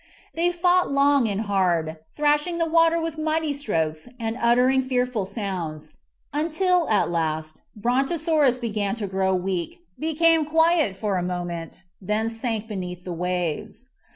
They fought long and hard, thrashing the water with mighty strokes and uttering fearful sounds, until, at last, Brontosaurus began to grow weak, be came quiet for a moment, then sank beneath the waves.